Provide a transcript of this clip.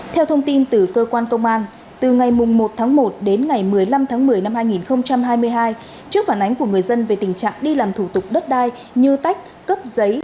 theo thông tin từ cơ quan công an từ ngày một tháng một đến ngày một mươi năm tháng một mươi năm hai nghìn hai mươi hai trước phản ánh của người dân về tình trạng đi làm thủ tục đất đai như tách cấp giấy